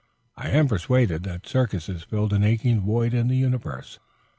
I am persuaded that circuses fill an aching void in the universe.